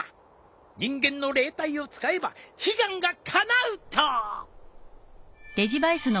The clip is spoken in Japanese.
人間の霊体を使えば悲願がかなうと！